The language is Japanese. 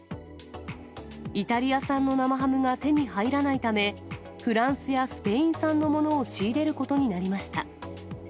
イタリア産の生ハムが手に入らないため、フランスやスペイン産のものを仕入れることになりました。